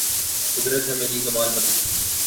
قدرت نے میری کمال مدد کی